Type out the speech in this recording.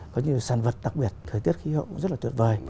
có nhiều sản vật đặc biệt thời tiết khí hậu cũng rất là tuyệt vời